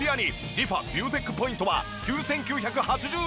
リファビューテックポイントは９９８０円。